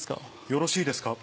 よろしいですか？